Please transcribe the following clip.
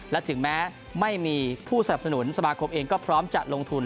และถึงแม้ไม่มีผู้สนับสนุนสมาคมเองก็พร้อมจะลงทุน